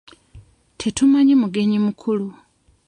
Tetumanyi mugenyi mukulu.